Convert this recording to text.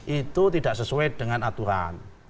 itu tidak sesuai dengan aturan